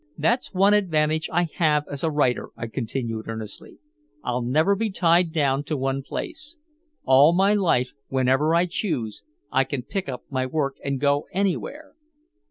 "That's one advantage I have as a writer," I continued earnestly. "I'll never be tied down to one place. All my life whenever I choose I can pick up my work and go anywhere."